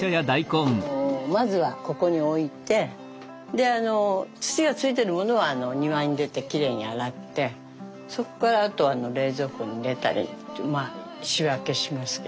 まずはここに置いてで土がついてるものは庭に出てきれいに洗ってそこからあと冷蔵庫に入れたり仕分けしますけど。